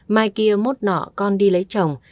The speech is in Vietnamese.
mai kia mốt nọ con đi lấy chồng